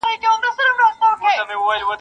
o ﻻس چي مات سي غاړي ته لوېږي.